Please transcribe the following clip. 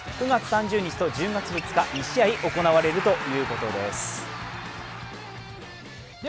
９月３０日と１０月２日、２試合行われるということです。